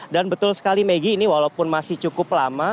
dan betul sekali megi ini walaupun masih cukup lama